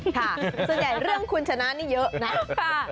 ส่วนใหญ่เรื่องคุณชนะนี่เยอะนะ